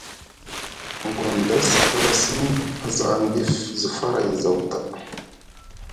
Gondes a tala sini aza aŋ ɗif zi faray zaw ta.